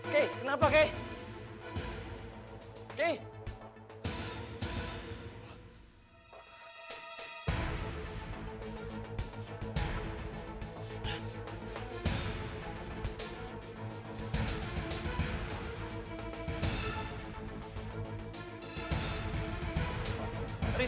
jangan pernah laatir lain